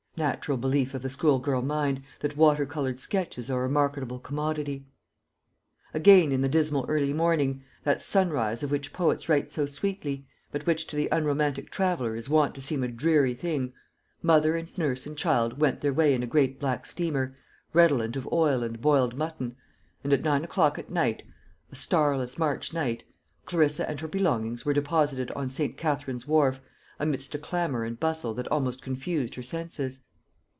Natural belief of the school girl mind, that water coloured sketches are a marketable commodity! Again in the dismal early morning that sunrise of which poets write so sweetly, but which to the unromantic traveller is wont to seem a dreary thing mother and nurse and child went their way in a great black steamer, redolent of oil and boiled mutton; and at nine o'clock at night a starless March night Clarissa and her belongings were deposited on St. Katharine's Wharf, amidst a clamour and bustle that almost confused her senses.